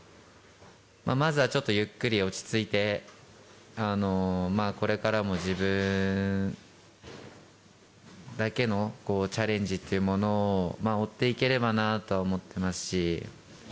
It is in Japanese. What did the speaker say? まずはちょっとゆっくり落ち着いて、これからも自分だけのチャレンジっていうものを追っていければなとは思ってますし。